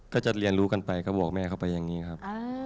ก็จะเรียนรู้กันไปก็บอกแม่เขาไปอย่างนี้ครับ